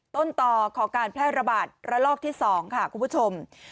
ต้นต่อของการแพร่ระบาดระลอกที่๒ค่ะคุณผู้ชม